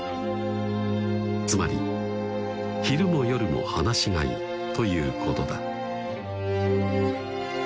つまり昼も夜も放し飼いということだ